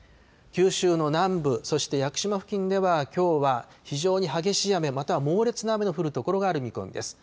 九州の南部、そして屋久島付近ではきょうは非常に激しい雨、または猛烈な雨の降る所がある見込みです。